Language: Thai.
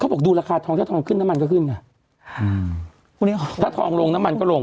บอกดูราคาทองถ้าทองขึ้นน้ำมันก็ขึ้นค่ะอืมวันนี้ถ้าทองลงน้ำมันก็ลง